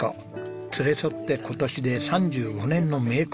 連れ添って今年で３５年の名コンビ。